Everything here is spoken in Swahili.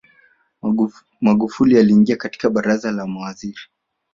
magufuli aliingia katika baraza la mawaziri